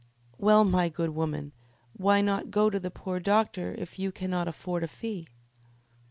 "Well, my good woman, why not go to the poor doctor if you cannot afford a fee?"